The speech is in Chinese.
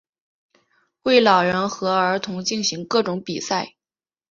为老人和儿童进行各种比赛。